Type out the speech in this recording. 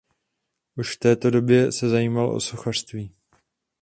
Už v této době se zajímal o sochařství.